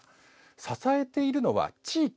支えているのは地域。